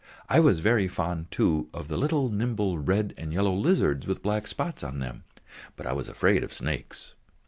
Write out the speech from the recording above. I was very fond, too, of the little nimble red and yellow lizards with black spots on them, but I was afraid of snakes.